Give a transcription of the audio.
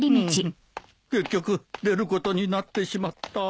結局出ることになってしまった。